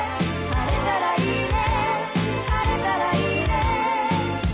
「晴れたらいいね」